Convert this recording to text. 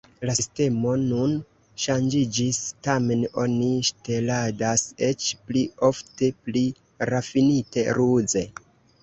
La sistemo nun ŝanĝiĝis, tamen oni ŝteladas eĉ pli ofte, pli rafinite, ruze.